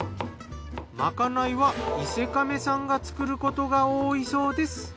まかないは伊勢亀さんが作ることが多いそうです。